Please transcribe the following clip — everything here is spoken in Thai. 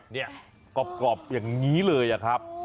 เนี่ยกรอบอย่างนี้เลยอะครับ